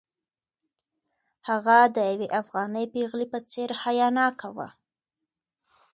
هغه د یوې افغانۍ پېغلې په څېر حیاناکه وه.